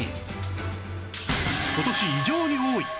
今年異常に多い！